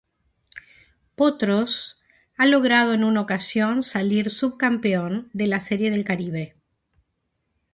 Potros ha logrado en una ocasión salir subcampeón de la Serie del Caribe.